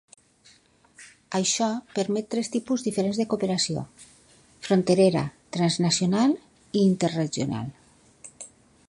Això permet tres tipus diferents de cooperació: fronterera, transnacional i interregional.